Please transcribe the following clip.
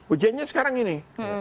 ujiannya sekarang ini